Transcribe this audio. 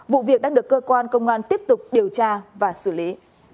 vụ việc đang được cơ quan công an tiếp tục điều tra và xử lý